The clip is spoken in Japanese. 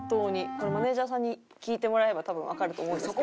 これマネージャーさんに聞いてもらえれば多分わかると思うんですけど。